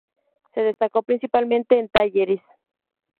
Se destacó principalmente en Talleres.